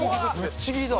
ぶっちぎりだ！